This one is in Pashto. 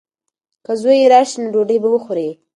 که زوی یې راشي نو ډوډۍ به وخوري.